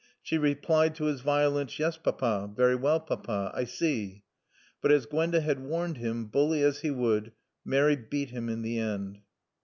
She replied to his violence, "Yes, Papa. Very well, Papa, I see." But, as Gwenda had warned him, bully as he would, Mary beat him in the end.